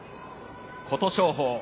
琴勝峰。